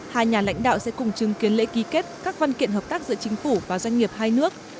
hai nhà lãnh đạo sẽ cùng chứng kiến lễ ký kết các văn kiện hợp tác giữa chính phủ và doanh nghiệp hai nước